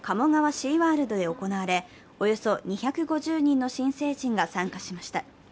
シーワールドで行われおよそ２５０人の新成人が参加しました。